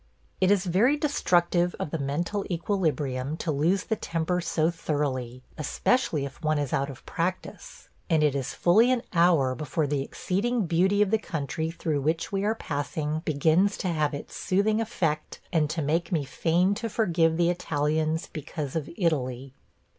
It is very destructive of the mental equilibrium to lose the temper so thoroughly, especially if one is out of practice, and it is fully an hour before the exceeding beauty of the country through which we are passing begins to have its soothing effect and to make me fain to forgive the Italians because of Italy!